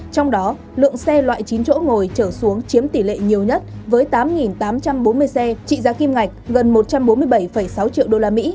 trong đó lượng xe loại chín chỗ ngồi trở xuống chiếm tỷ lệ nhiều nhất với tám tám trăm bốn mươi xe trị giá kim ngạch gần một trăm bốn mươi bảy sáu triệu usd